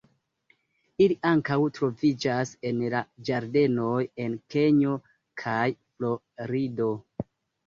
Ili ankaŭ troviĝas en la ĝardenoj en Kenjo kaj Florido.